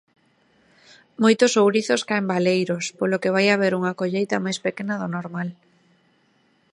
"Moitos ourizos caen baleiros, polo que vai haber unha colleita máis pequena do normal".